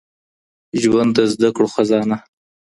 ژوند د زده کړو خزانه